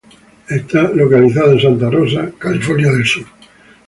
Está localizada en Santa Rosa, California.